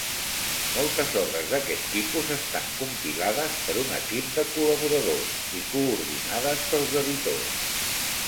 Moltes obres d'aquest tipus estan compilades per un equip de col·laboradors i coordinades pels editors.